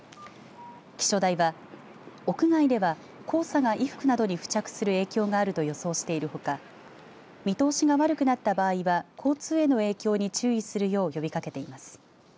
気象台は屋外では黄砂が衣服などに付着する影響があると予想しているほか見通しが悪くなった場合は交通への影響に注意するよう呼びかけています。